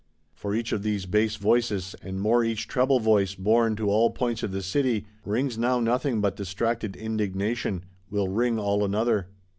For each of these bass voices, and more each treble voice, borne to all points of the City, rings now nothing but distracted indignation; will ring all another.